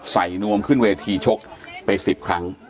นวมขึ้นเวทีชกไป๑๐ครั้ง